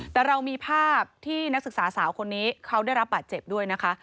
แต่เรามีภาพที่นักศึกษาสาวคนนี้เขาได้รับบาดเจ็บด้วยนะคะ